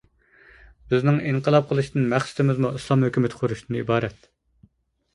بىزنىڭ ئىنقىلاب قىلىشتىن مەقسىتىمىزمۇ ئىسلام ھۆكۈمىتى قۇرۇشتىن ئىبارەت.